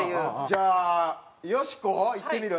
じゃあよしこいってみる？